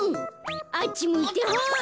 あっちむいてホイ！